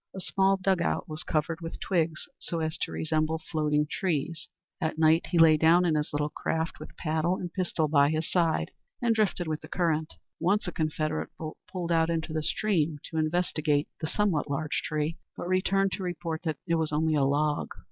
A small dug out was covered with twigs, so as to resemble floating trees. At night he lay down in his little craft, with paddle and pistol by his side, and drifted with the current. Once a Confederate boat pulled out into the stream to investigate the somewhat large tree, but returned to report that, "It was only a log."